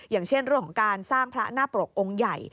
อย่างเช่นเรื่องของการสร้างพระหน้าปรกองค์ใหญ่